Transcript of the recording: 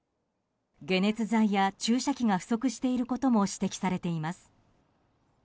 解熱剤や注射器が不足していることも指摘されています。